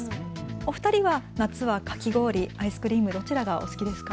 お二人は夏はかき氷、アイスクリーム、どちらが好きですか。